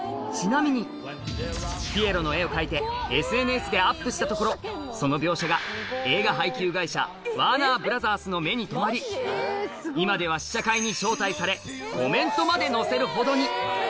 ちなみに、ピエロの絵を描いて、ＳＮＳでアップしたところ、その描写が映画配給会社、ワーナー・ブラザースの目にとまり、今では試写会に招待され、コメントまで載せるほどに。